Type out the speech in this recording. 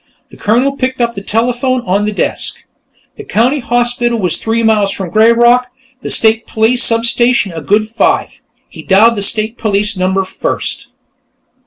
The Colonel picked up the telephone on the desk. The County Hospital was three miles from "Greyrock"; the State Police substation a good five. He dialed the State Police number first.